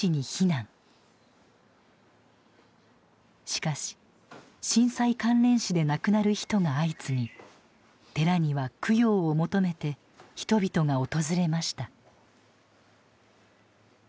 しかし震災関連死で亡くなる人が相次ぎ寺には供養を求めて人々が訪れました。